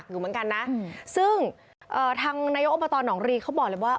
อยู่เหมือนกันนะซึ่งเอ่อทางนายกอบตหนองรีเขาบอกเลยว่า